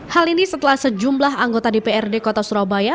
hal ini setelah sejumlah anggota dprd kota surabaya